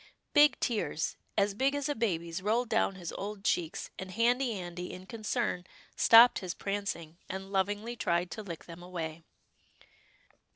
Big tears — as big as a baby's, rolled down his old cheeks, and Handy Andy in concern stopped COUSIN OONAH RILEY 271 his prancing, and lovingly tried to lick them away.